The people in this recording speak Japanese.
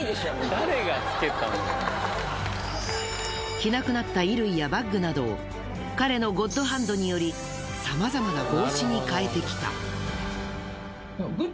着なくなった衣類やバッグなどを彼のゴッドハンドによりさまざまな帽子に変えてきた。